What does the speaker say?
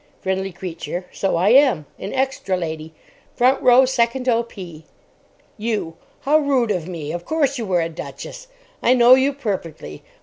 FRIENDLY CREATURE. So I am. An extra lady—front row, second O.P. YOU. How rude of me. Of course you were a duchess. I know you perfectly.